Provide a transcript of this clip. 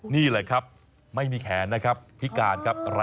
นี่แหละครับไม่มีแขนนะครับ